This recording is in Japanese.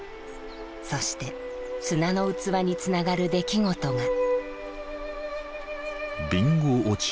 そして「砂の器」につながる出来事が。